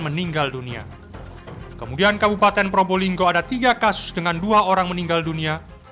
meninggal dunia kemudian kabupaten probolinggo ada tiga kasus dengan dua orang meninggal dunia